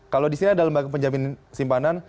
kalau di sini ada lembaga penjamin simpanan